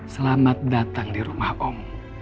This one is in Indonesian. selamat datang di rumah om